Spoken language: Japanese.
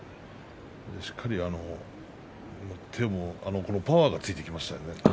しっかりパワーがついてきましたね。